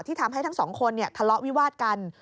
ทำให้ทั้งสองคนทะเลาะวิวาดกัน